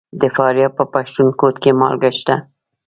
د فاریاب په پښتون کوټ کې مالګه شته.